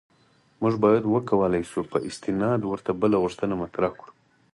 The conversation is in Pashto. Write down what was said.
موږ باید وکولای شو په استناد ورته بله غوښتنه مطرح کړو.